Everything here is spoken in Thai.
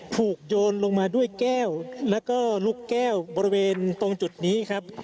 โยนลงมาด้วยแก้วแล้วก็ลูกแก้วบริเวณตรงจุดนี้ครับ